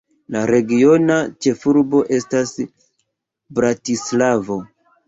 La regiona ĉefurbo estas Bratislavo.